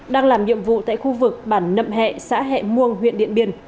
đang làm nhiệm vụ tại khu vực bản nậm hẹ xã hẹ muông huyện điện biên